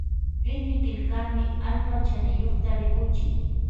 Iñikillkami allpa chariyukta rikuchin.